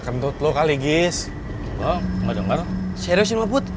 kita kepada si kos